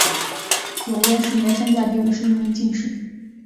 永乐十年三甲第五十一名进士。